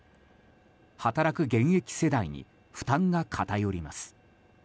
働く現役世代に負担が偏ります。